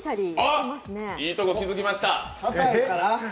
いいところ気付きましたね。